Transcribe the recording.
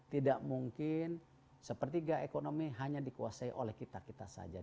tidak mungkin sepertiga ekonomi hanya dikuasai oleh kita kita saja